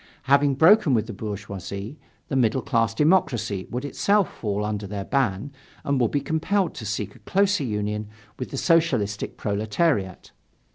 Having broken with the bourgeoisie, the middle class democracy would itself fall under their ban and would be compelled to seek a closer union with the Socialistic proletariat.